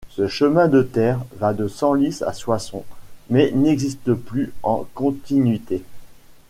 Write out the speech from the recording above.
Ce chemin de terre va de Senlis à Soissons, mais n'existe plus en continuité.